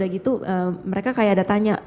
gitu mereka kayak ada tanya